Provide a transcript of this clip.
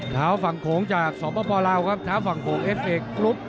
เท้าฝั่งโขงจากสปลาวครับเท้าฝั่งโขงเอฟเอกกรุ๊ป